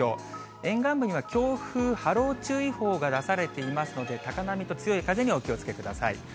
沿岸部には強風波浪注意報が出されていますので、高波と強い風にお気をつけください。